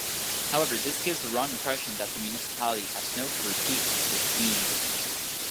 However, this gives the wrong impression that the municipality has snow-covered peaks for skiing.